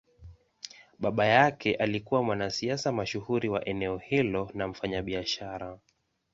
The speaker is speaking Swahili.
Baba yake alikuwa mwanasiasa mashuhuri wa eneo hilo na mfanyabiashara.